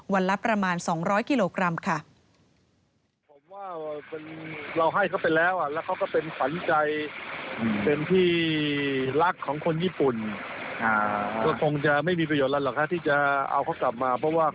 วันละประมาณ๒๐๐กิโลกรัมค่ะ